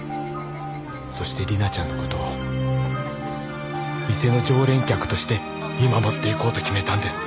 そして理奈ちゃんの事を店の常連客として見守っていこうと決めたんです。